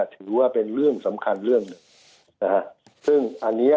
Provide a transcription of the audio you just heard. ถือว่าเป็นเรื่องสำคัญเรื่องซึ่งอันนี้